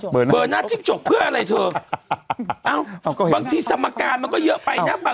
เบอร์หน้าจิ้งจกเพื่ออะไรเธอเอ้าบางทีสมการมันก็เยอะไปนะ